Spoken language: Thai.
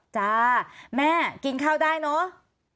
จ้าแม่กินข้าวได้เนอะ